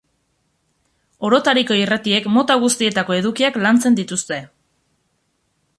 Orotariko irratiek mota guztietako edukiak lantzen dituzte.